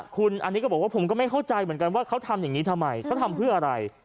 คุณอันนี้ก็บอกว่าผมก็ไม่เข้าใจเหมือนกันว่าเขาทำอย่างนี้ทำไมเขาทำเพื่ออะไร